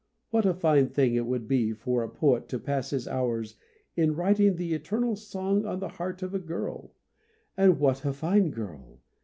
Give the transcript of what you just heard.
What a fine thing it would be for a poet to pass his hours in writing the eternal song on the heart of a girl ; and what a fine girl